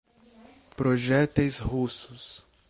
projéteis russos